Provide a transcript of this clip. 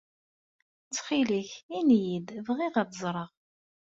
Ttxil-k, ini-iyi-d, bɣiɣ ad ẓreɣ.